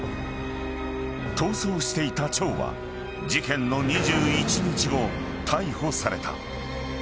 ［逃走していた張は事件の２１日後逮捕された］